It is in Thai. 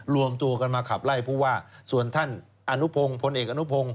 รวมตัวกันมาขับไล่ผู้ว่าส่วนท่านอนุพงศ์พลเอกอนุพงศ